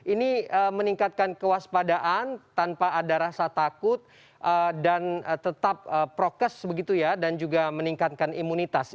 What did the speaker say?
ini meningkatkan kewaspadaan tanpa ada rasa takut dan tetap prokes begitu ya dan juga meningkatkan imunitas